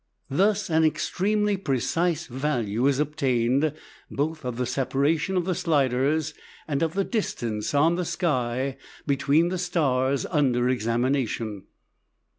Thus an extremely precise value is obtained both of the separation of the sliders and of the distance on the sky between the stars under examination.